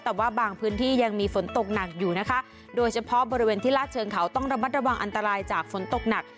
แต่ว่าบางพื้นที่ยังมีฝนตกหนักอยู่นะคะโดยเฉพาะบริเวณที่ลาดเชิงเขาต้องระมัดระวังอันตรายจากฝนตกหนัก